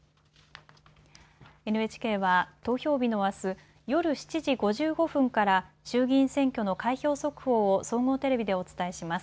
ＮＨＫは投票日のあす、夜７時５５分から衆議院選挙の開票速報を総合テレビでお伝えします。